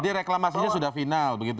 jadi reklamasinya sudah final begitu